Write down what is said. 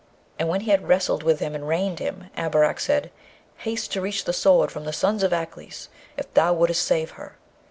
And when he had wrestled with him and reined him, Abarak said, 'Haste to reach the Sword from the sons of Aklis, if thou wouldst save her.'